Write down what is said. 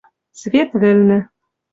Свет вӹлнӹ